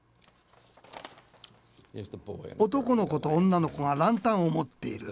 男の子と女の子がランタンを持っている。